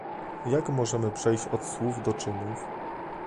Jak możemy przejść od słów do czynów?